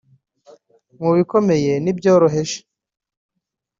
mu bikomeye n’ibyoroheje